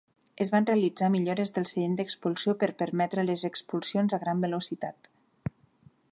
Es van realitzar millores del seient d'expulsió per permetre les expulsions a gran velocitat.